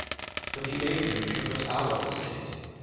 But the ague shook us out of the State.